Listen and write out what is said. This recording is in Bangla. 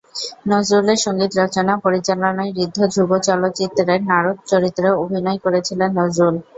নজরুলের সংগীত রচনা, পরিচালনায় ঋদ্ধ ধ্রুব চলচ্চিত্রের নারদ চরিত্রে অভিনয় করেছিলেন নজরুল।